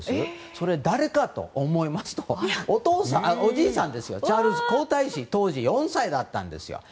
それは誰かと思いますとおじいさん、チャールズ皇太子当時４歳だったんです。